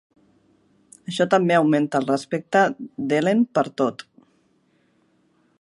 Això també augmenta el respecte d'Helen per Tod.